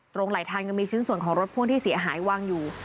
ตรงไหลทางก็มีชิ้นศูนย์ของรถพ่วงที่เสียหายวางอยู่